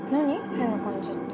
変な感じって。